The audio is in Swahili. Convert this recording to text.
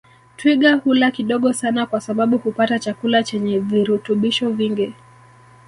Twiga hula kidogo sana kwa sababu hupata chakula chenye virutubisho vingi